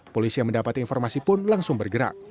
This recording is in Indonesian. polisi yang mendapat informasi pun langsung bergerak